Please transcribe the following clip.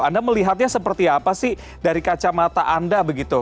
anda melihatnya seperti apa sih dari kacamata anda begitu